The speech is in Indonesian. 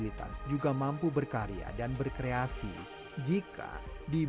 tetap saya ikut dampingi support terus untuk menyemangati bu irma